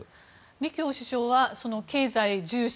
李強首相は経済重視